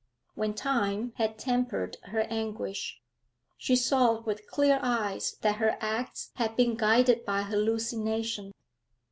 When time had tempered her anguish, she saw with clear eyes that her acts had been guided by hallucination.